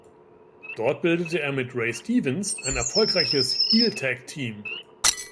Dort bildete er mit Ray Stevens ein erfolgreiches Heel-Tag-Team.